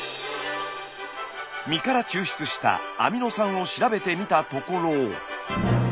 身から抽出したアミノ酸を調べてみたところ。